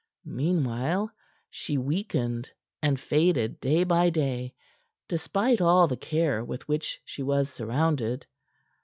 Meanwhile she weakened and faded day by day, despite all the care with which she was surrounded.